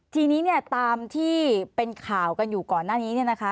ทีนี้เนี่ยตามที่เป็นข่าวกันอยู่ก่อนหน้านี้เนี่ยนะคะ